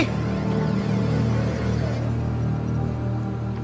เฮ้ย